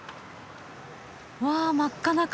うわ真っ赤な髪！